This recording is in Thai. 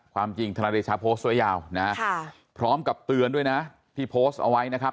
ความจริงธนายเดชาโพสต์ไว้ยาวนะพร้อมกับเตือนด้วยนะที่โพสต์เอาไว้นะครับ